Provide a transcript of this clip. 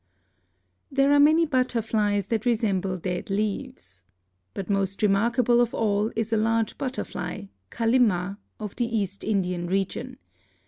There are many butterflies that resemble dead leaves. But most remarkable of all is a large butterfly (Kallima) of the East Indian region.